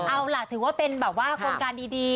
เอาล่ะถือว่าเป็นแบบว่าโครงการดี